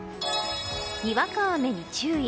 にわか雨に注意。